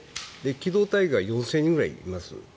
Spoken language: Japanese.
機動隊が４０００人ぐらいいます。